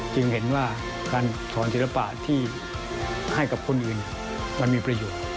จึงเห็นว่าการสอนศิลปะที่ให้กับคนอื่นมันมีประโยชน์